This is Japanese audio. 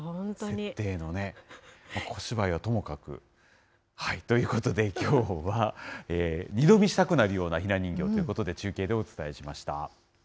小芝居はともかく。ということで、きょうは、二度見したくなるようなひな人形ということで、中継でお伝えしました。